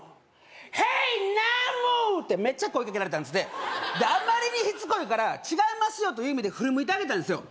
ヘイナムー！ってメッチャ声かけられたんですってであまりにしつこいから違いますよという意味で振り向いてあげたんですよ